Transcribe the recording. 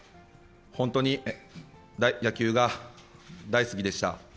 本当に野球が大好きでした。